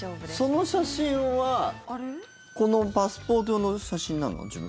その写真はこのパスポート用の写真なの？